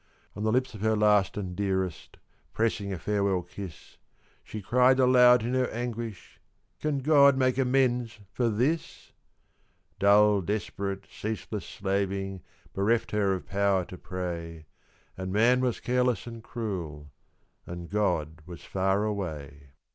On the lips of her last and dearest Pressing a farewell kiss, She cried aloud in her anguish "Can God make amends for this?" Dull, desperate, ceaseless slaving Bereft her of power to pray, And Man was careless and cruel, And God was far away.